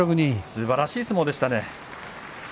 すばらしい相撲でしたね。